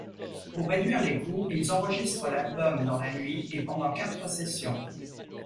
Pour réduire les coûts, ils enregistrent l'album dans la nuit et pendant quatre sessions.